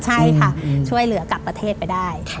ใช่ค่ะช่วยเหลือกลับประเทศไปได้